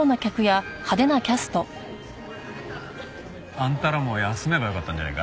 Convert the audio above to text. あんたらも休めばよかったんじゃないか？